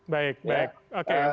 baik baik oke